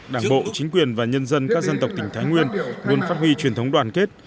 đảng bộ chính quyền và nhân dân các dân tộc tỉnh thái nguyên luôn phát huy truyền thống đoàn kết